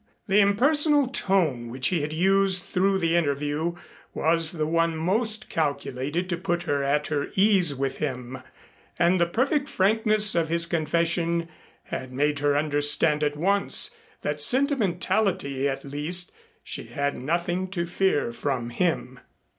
The impersonal tone which he had used through the interview was the one most calculated to put her at her ease with him and the perfect frankness of his confession had made her understand at once that sentimentally at least she had nothing to fear from him.